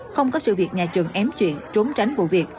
không có sự việc nhà trường ém chuyện trốn tránh vụ việc